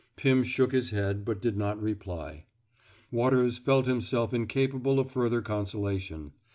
Pim shook his head, but did not reply. Waters felt himself incapable of further consolation.